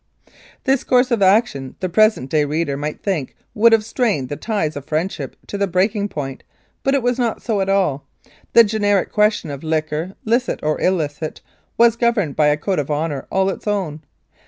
This course of action the present day reader might think would have strained the ties of friendship to the breaking point, but it was not so at all. The generic question of liquor, licit or illicit, was governed by a code of honour all its own.